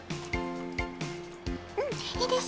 うんいいですよ。